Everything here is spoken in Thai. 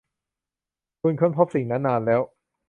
คุณค้นพบสิ่งนั้นนานแล้ว